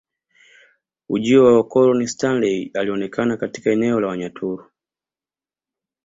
Ujio wa wakoloni Stanley alionekana katika eneo la Wanyaturu